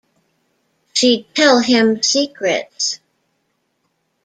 She'd tell him secrets.